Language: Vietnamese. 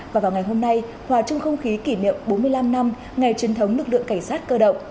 và vào ngày hôm nay hòa chung không khí kỷ niệm bốn mươi năm năm ngày truyền thống lực lượng cảnh sát cơ động